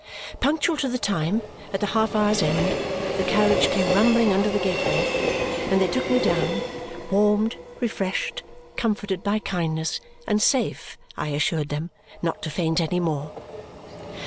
Punctual to the time, at the half hour's end the carriage came rumbling under the gateway, and they took me down, warmed, refreshed, comforted by kindness, and safe (I assured them) not to faint any more.